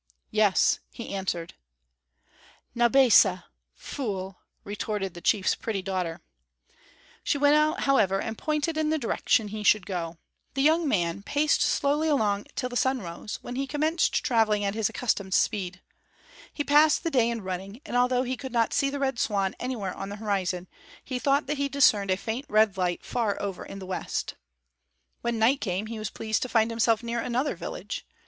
"Yes," he answered. "Naubesah fool!" retorted the chief's pretty daughter. She went out, however, and pointed in the direction he should go. The young man paced slowly along till the sun arose, when he commenced traveling at his accustomed speed. He passed the day in running, and although he could not see the Red Swan anywhere on the horizon, he thought that he discerned a faint red light far over in the west. When night came, he was pleased to find himself near another village.